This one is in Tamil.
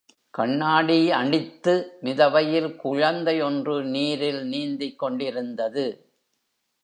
கண்ணாடி அணித்து மிதவையில் குழந்தை ஒன்று நீரில் நீந்திக் கொண்டிருந்தது.